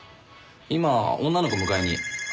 今女の子迎えに。